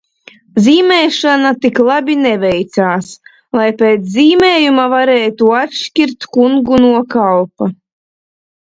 Zīmēšana tik labi neveicās, lai pēc zīmējuma varētu atšķirt kungu no kalpa.